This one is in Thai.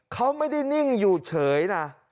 เขาไม่ได้นิ่งอยู่เฉยนะ